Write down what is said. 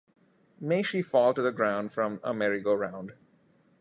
May she fall to the ground from a merry-go-round.